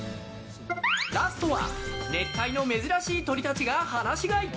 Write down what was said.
ラストは熱帯の珍しい鳥たちが放し飼い！